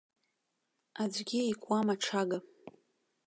Аӡәгьы икуам аҽага.